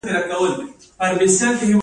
آیا د اوبو مدیریت قانون شته؟